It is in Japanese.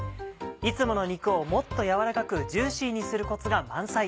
いつもの肉をもっと軟らかくジューシーにするコツが満載。